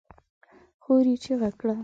خور يې چيغه کړه!